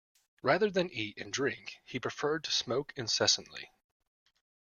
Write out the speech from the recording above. Rather than eat and drink, he preferred to smoke incessantly